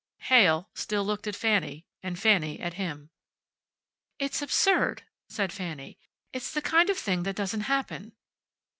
Heyl still looked at Fanny, and Fanny at him. "It's absurd," said Fanny. "It's the kind of thing that doesn't happen."